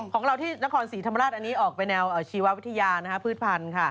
ของเราที่นครศรีธรรมราชออกไปแนวชีววิทยานะฮะพืชพันธ์ค่ะ